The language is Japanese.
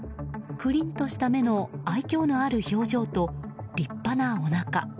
クリンとした目の愛嬌のある表情と立派なおなか。